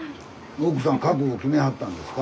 奥さん覚悟決めはったんですか？